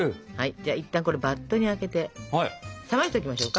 じゃあいったんこれバットにあけて冷ましておきましょうか。